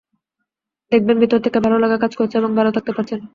দেখবেন ভেতর থেকে ভালো লাগা কাজ করছে এবং ভালো থাকতে পারছেন।